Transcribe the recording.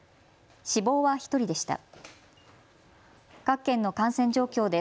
死亡は１人でした。